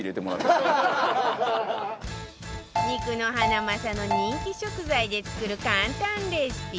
肉のハナマサの人気食材で作る簡単レシピ